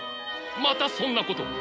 またそんなことを！